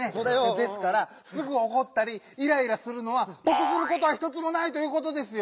ですから「すぐおこったりイライラするのはとくすることはひとつもない」ということですよ。